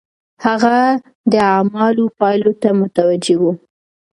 هغه د اعمالو پايلو ته متوجه و.